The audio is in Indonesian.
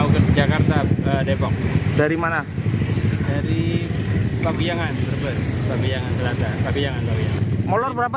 seharusnya dua jam ini sudah hampir berapa